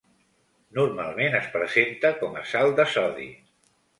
Normalment es presenta com a sal de sodi.